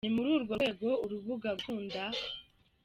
Ni muri urwo rwego urubuga gukunda.